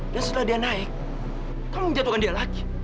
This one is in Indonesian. dan setelah dia naik kamu menjatuhkan dia lagi